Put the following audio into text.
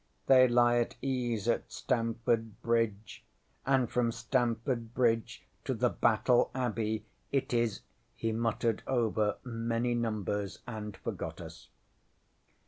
They lie at ease at Stamford Bridge, and from Stamford Bridge to the Battle Abbey it is ŌĆØ he muttered over many numbers and forgot us.